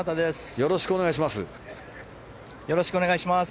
よろしくお願いします。